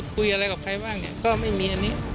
คุยอะไรกับใครบ้างเนี่ยก็ไม่มีอันนี้